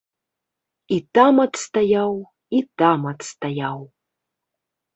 І там адстаяў, і там адстаяў.